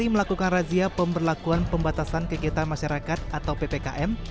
mengarahkan pembatasan kegiatan masyarakat atau ppkm